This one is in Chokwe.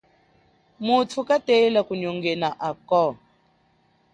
Mutu katela kunyongena ako.